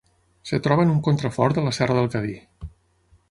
Es troba en un contrafort de la serra del Cadí.